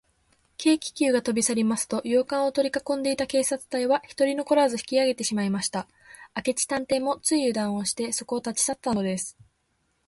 軽気球がとびさりますと、洋館をとりかこんでいた警官隊は、ひとり残らず引きあげてしまいました。明智探偵も、ついゆだんをして、そこを立ちさったのです。